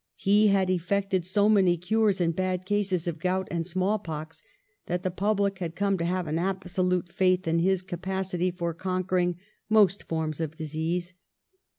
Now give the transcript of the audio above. He had effected so many cures in bad cases of gout and smallpox that the public had come to have an absolute faith in his capacity for conquer ing most forms of disease.